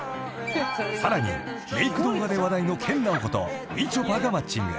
［さらにメーク動画で話題の研ナオコとみちょぱがマッチング］